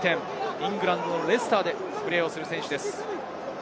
イングランドのレスターでプレーする選手です。